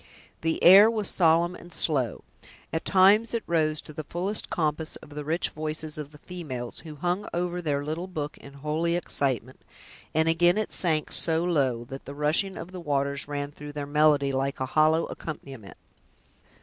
The air was solemn and slow. At times it rose to the fullest compass of the rich voices of the females, who hung over their little book in holy excitement, and again it sank so low, that the rushing of the waters ran through their melody, like a hollow accompaniment.